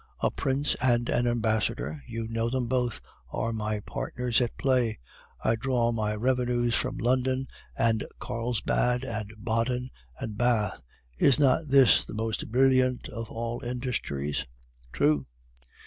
A prince and an ambassador (you know them both) are my partners at play. I draw my revenues from London and Carlsbad and Baden and Bath. Is not this the most brilliant of all industries!' "'True.